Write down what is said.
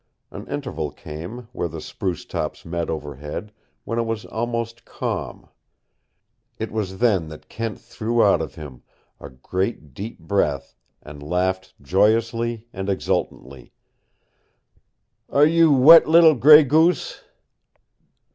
An interval came, where the spruce tops met overhead, when it was almost calm. It was then that Kent threw out of him a great, deep breath and laughed joyously and exultantly. "Are you wet, little Gray Goose?"